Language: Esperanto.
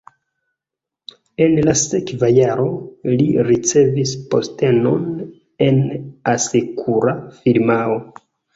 En la sekva jaro li ricevis postenon en asekura firmao.